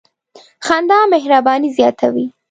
• خندا مهرباني زیاتوي.